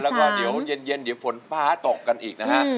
แล้วก็เดี๋ยวเย็นเดี๋ยวฝนฟ้าตกกันอีกนะฮะ